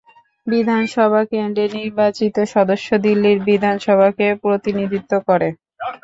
বিধানসভা কেন্দ্রের নির্বাচিত সদস্য দিল্লির বিধানসভাতে প্রতিনিধিত্ব করে।